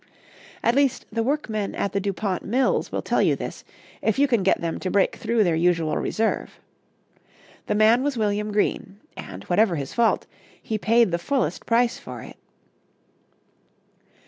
At least, the workmen at the Dupont mills will tell you this if you can get them to break through their usual reserve. The man was William Green, and, whatever his fault, he paid the fullest price for it.